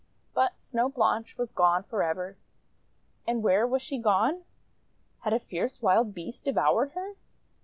But Snow Blanche was gone for ever. And where was she gone? Had a fierce wild beast devoured her?